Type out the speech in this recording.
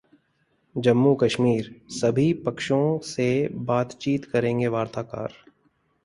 जम्मू कश्मीर: सभी पक्षों से बातचीत करेंगे वार्ताकार